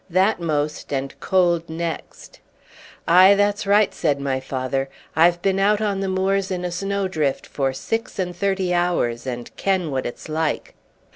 That most, and cold next." "Aye, that's right," said my father; "I've been out on the moors in a snow drift for six and thirty hours, and ken what it's like."